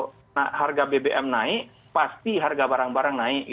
karena harga bbm naik pasti harga barang barang naik